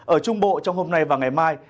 ở trung bộ trong hôm nay và ngày mai